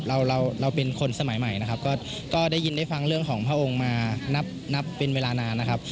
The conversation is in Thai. เราเราเป็นคนสมัยใหม่นะครับก็ได้ยินได้ฟังเรื่องของพระองค์มานับเป็นเวลานานนะครับ